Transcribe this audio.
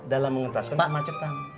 dalam mengentaskan pemacetan